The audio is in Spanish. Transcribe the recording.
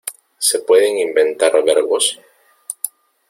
¿Se pueden inventar verbos?